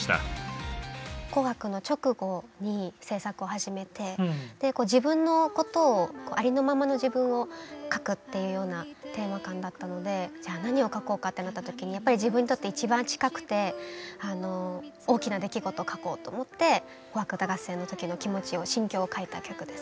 「紅白」の直後に制作を始めて自分のことをありのままの自分を書くっていうようなテーマ感だったのでじゃあ何を書こうかってなった時にやっぱり自分にとって一番近くて大きな出来事を書こうと思って「紅白歌合戦」の時の気持ちを心境を書いた曲です。